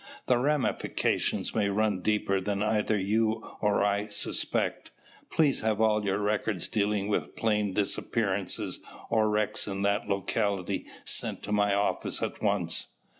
The ramifications may run deeper than either you or I suspect. Please have all of your records dealing with plane disappearances or wrecks in that locality sent to my office at once."